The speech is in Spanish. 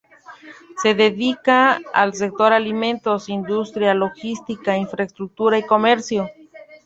Se dedica al sector alimentos, industria, logística, infraestructura y comercio.